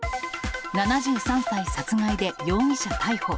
７３歳殺害で、容疑者逮捕。